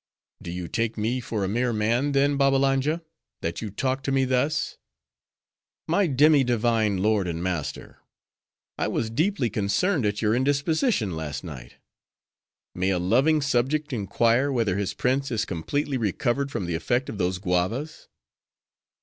"Do you take me for a mere man, then, Babbalanja, that you talk to me thus?" "My demi divine lord and master, I was deeply concerned at your indisposition last night:—may a loving subject inquire, whether his prince is completely recovered from the effect of those guavas?"